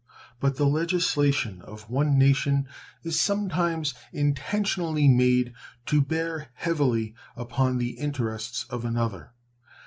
But the legislation of one nation is some times intentionally made to bear heavily upon the interests of another.